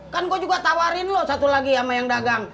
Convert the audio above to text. kan gue juga tawarin loh satu lagi sama yang dagang